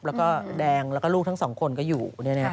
แล้วก็แดงแล้วก็ลูกทั้งสองคนก็อยู่